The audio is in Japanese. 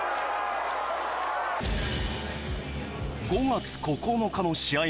５月９日の試合